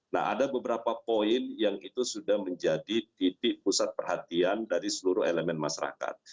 nah ada beberapa poin yang itu sudah menjadi titik pusat perhatian dari seluruh elemen masyarakat